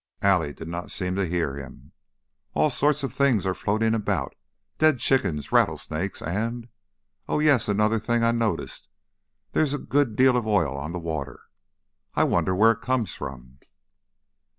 Allie did not seem to hear him. "All sorts of things are floating about; dead chickens, rattlesnakes, and Oh yes, another thing I noticed; there's a good deal of oil on the water! I wonder where it comes from?"